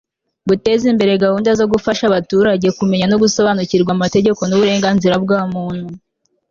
guteza imbere gahunda zo gufasha abaturage kumenya no gusobanukirwa amategeko n'uburenganzira bwa muntu